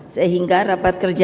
sehingga rapat kerja